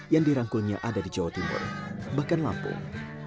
yang dirangkulnya ada di jawa timur bahkan lampung